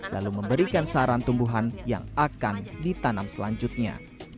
lalu memberikan saran tumbuhan yang akan ditanam selanjutnya